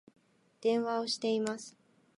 電話をしています